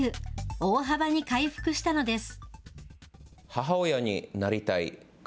大幅に回復したのです。